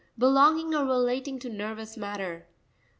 Belonging or relating to nervous matter.